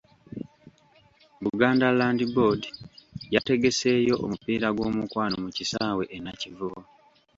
Buganda Land Board yategeseeyo omupiira gw'omukwano mu kisaawe e Nakivubo.